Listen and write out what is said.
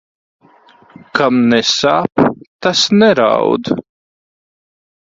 Kam nesāp, tas neraud.